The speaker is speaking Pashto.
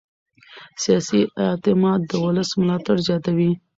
سیاسي اعتماد د ولس ملاتړ زیاتوي